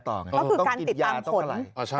ต้องกินยาต้องกระไหล